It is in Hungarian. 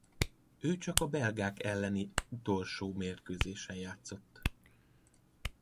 Ő csak a belgák elleni utolsó mérkőzésen játszott.